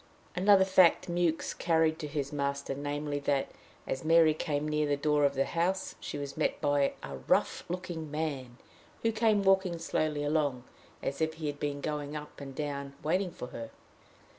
Another fact Mewks carried to his master namely, that, as Mary came near the door of the house, she was met by "a rough looking man," who came walking slowly along, as if he had been going up and down waiting for her.